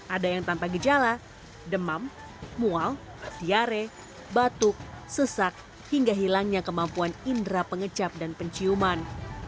ada yang tanpa gejala demam mual tiare batuk sesak hingga hilangnya kemampuan indera pengecap dan penciuman